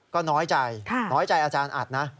ก็น้อยใจน้อยใจอาจารย์อัดนะ